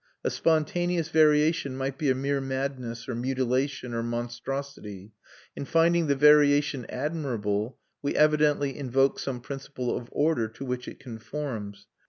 A spontaneous variation might be a mere madness or mutilation or monstrosity; in finding the variation admirable we evidently invoke some principle of order to which it conforms.